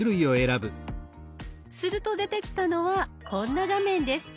すると出てきたのはこんな画面です。